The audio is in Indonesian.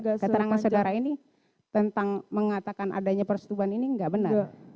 keterangan saudara ini tentang mengatakan adanya persetubuhan ini nggak benar